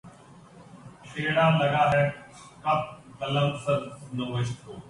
ٹیڑھا لگا ہے قط‘ قلمِ سر نوشت کو